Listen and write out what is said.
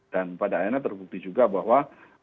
dan pada akhirnya terbukti juga bahwa